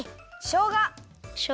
しょうが。